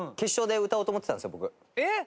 えっ！